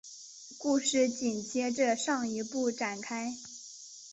故事紧接着上一部展开。